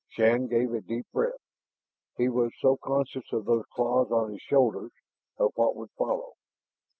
Shann drew a deep breath. He was so conscious of those claws on his shoulders, of what would follow.